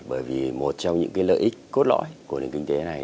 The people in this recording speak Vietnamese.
bởi vì một trong những lợi ích cốt lõi của nền kinh tế này